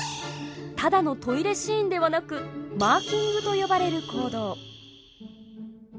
ただのトイレシーンではなく「マーキング」と呼ばれる行動。